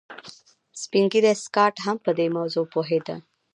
سپین ږیری سکاټ هم پر دې موضوع پوهېده